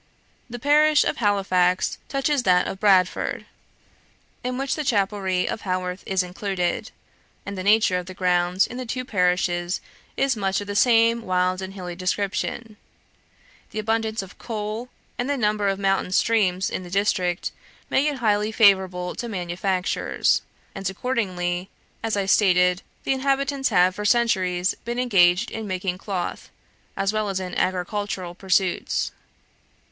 The parish of Halifax touches that of Bradford, in which the chapelry of Haworth is included; and the nature of the ground in the two parishes is much the of the same wild and hilly description. The abundance of coal, and the number of mountain streams in the district, make it highly favourable to manufactures; and accordingly, as I stated, the inhabitants have for centuries been engaged in making cloth, as well as in agricultural pursuits.